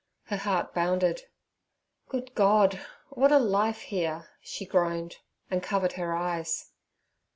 Her heart bounded. 'Good God! what a life here!' she groaned, and covered her eyes.